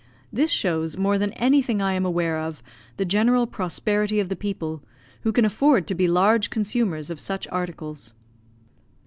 This shows, more than anything I am aware of, the general prosperity of the people, who can afford to be large consumers of such articles.